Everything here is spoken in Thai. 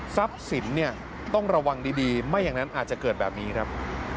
สินเนี่ยต้องระวังดีไม่อย่างนั้นอาจจะเกิดแบบนี้ครับ